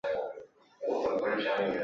康熙五十年升任偏沅巡抚。